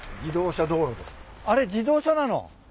あれ自動車なの？